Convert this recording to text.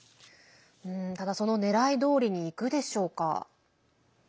ただ、その狙いどおりにいくでしょうか？